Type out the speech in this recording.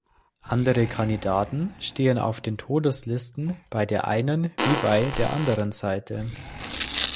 Andere Kandidaten stehen auf den Todeslisten, bei der einen wie bei der anderen Seite.